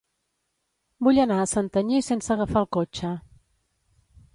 Vull anar a Santanyí sense agafar el cotxe.